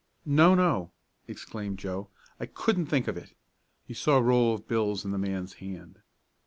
"No no!" exclaimed Joe. "I couldn't think of it!" He saw a roll of bills in the man's hand.